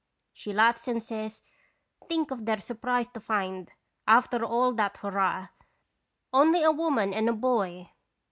'"" She laughs and says :' Think of their sur prise to find, after all that hurrah, only a woman and a boy."